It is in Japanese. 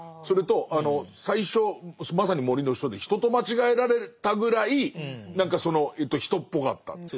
それと最初まさに「森の人」で人と間違えられたぐらい人っぽかった。